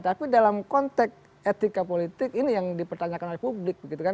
tapi dalam konteks etika politik ini yang dipertanyakan oleh publik begitu kan